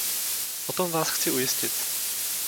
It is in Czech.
O tom vás chci ujistit.